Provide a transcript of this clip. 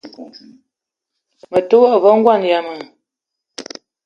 Me te wa ve ngoan yama.